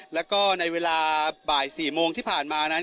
แล้วก็ในเวลาบ่าย๔โมงที่ผ่านมานั้น